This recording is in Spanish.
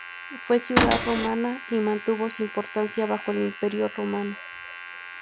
Fue ciudad romana y mantuvo su importancia bajo el Imperio romano.